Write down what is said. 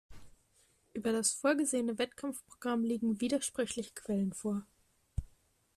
Über das vorgesehene Wettkampfprogramm liegen widersprüchliche Quellen vor.